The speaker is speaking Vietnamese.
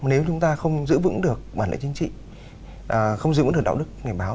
nếu chúng ta không giữ ứng được bản lệ chính trị không giữ ứng được đạo đức nghề báo